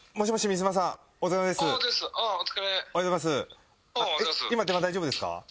今電話大丈夫ですか？